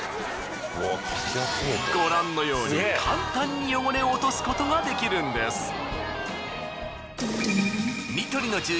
ご覧のように簡単に汚れを落とすことができるんです。